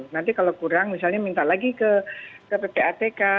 nanti kalau kurang misalnya minta lagi ke ppatk